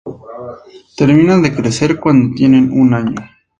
Terminan de crecer cuando tienen un año.